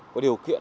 có điều kiện